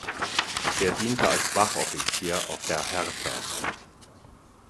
Er diente als Wachoffizier auf der "Hertha".